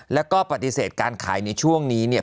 แล้วก็ปฏิเสธการขายในช่วงนี้เนี่ย